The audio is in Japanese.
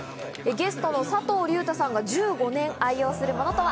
ゲストの佐藤隆太さんが１５年愛用するものとは？